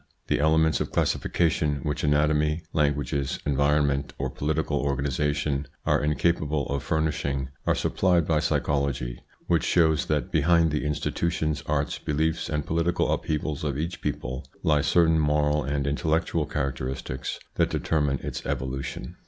The elements of classification which anatomy, languages, environment, or political organisation are incapable of furnishing are supplied by psychology, which shows that behind the institutions, arts, beliefs, and political upheavals of each people, lie certain moral and intellectual characteristics that determine its evolution.